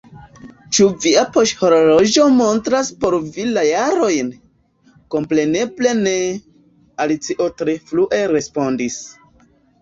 "Ĉu via poŝhorloĝo montras por vi la jarojn?" "Kompreneble ne!" Alicio tre flue respondis.